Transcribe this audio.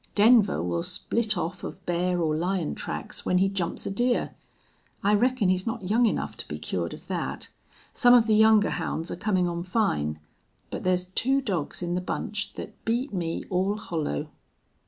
Denver will split off of bear or lion tracks when he jumps a deer. I reckon he's not young enough to be cured of that. Some of the younger hounds are comin' on fine. But there's two dogs in the bunch that beat me all hollow."